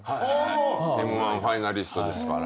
Ｍ−１ファイナリストですからね。